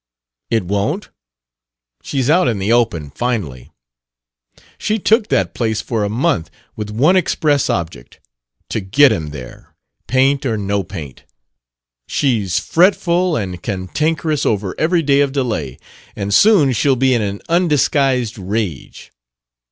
"It won't? She's out in the open, finally. She took that place for a month with one express object to get him there, paint or no paint. She's fretful and cantankerous over every day of delay, and soon she'll be in an undisguised rage."